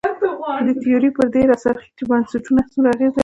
تیوري پر دې راڅرخي چې بنسټونه څومره اغېز لري.